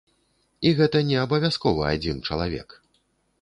І гэта не абавязкова адзін чалавек.